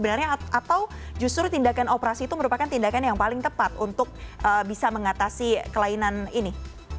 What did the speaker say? bahaya tidak sih dok sebenarnya atau justru tindakan operasi itu merupakan tindakan yang paling tepat untuk bisa mengatasi kelainan ini